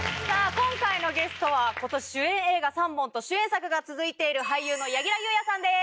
今回のゲストは今年主演映画３本と主演作が続いている俳優の柳楽優弥さんです